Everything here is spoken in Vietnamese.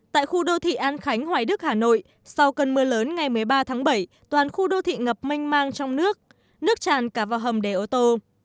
tại khu đô thị an khánh hoài đức hà nội sau cơn mưa lớn ngày một mươi ba tháng bảy toàn khu đô thị ngập manh mang trong nước nước tràn cả vào hầm để ô tô